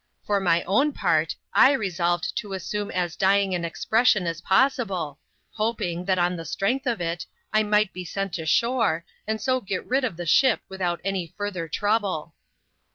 For my own part, I resolved to assume as dying an expression as possible ; hoping, that on the strength of it, I might be sent ashore, and so get rid of the ship without any further trouble.